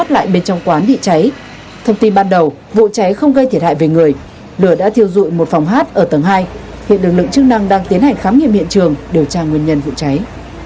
lại bên trong quán bị cháy thông tin ban đầu vụ cháy không gây thiệt hại về người lửa đã thiêu dụi một phòng hát ở tầng hai hiện lực lượng chức năng đang tiến hành khám nghiệm hiện trường điều tra nguyên nhân vụ cháy